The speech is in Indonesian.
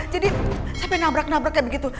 jadi sampai nabrak nabrak kayak begitu